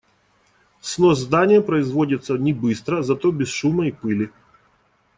Снос здания производится не быстро, зато без шума и пыли.